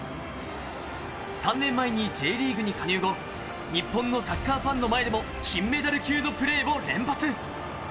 ３年前にＪリーグに加入後、日本のサッカーファンの前でも金メダル級のプレーを連発。